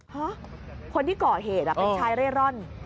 ฮะคนที่ก่อเหตุเป็นชายเร่ร่อน